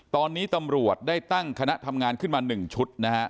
ตอนนี้ตำรวจได้ตั้งคณะทำงานขึ้นมา๑ชุดนะฮะ